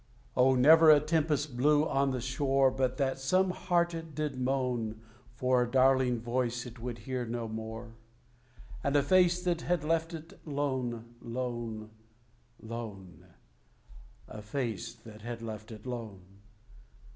Oh! never a tempest blew on the shore But that some heart did moan For a darling voice it would hear no more And a face that had left it lone, lone, lone A face that had left it lone!